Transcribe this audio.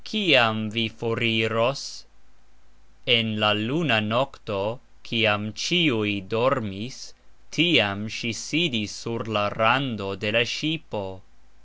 Kiam vi foriros? En la luna nokto, kiam cxiuj dormis, tiam sxi sidis sur la rando de la sxipo.